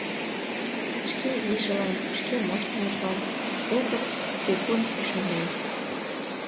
Шке вийжылан, шке моштымыжлан Вӧдыр кугун ӱшанен.